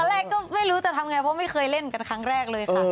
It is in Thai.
แรกก็ไม่รู้จะทำไงเพราะไม่เคยเล่นกันครั้งแรกเลยค่ะ